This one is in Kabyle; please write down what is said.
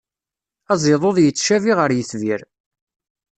Aziḍud yettcabi ɣer yitbir.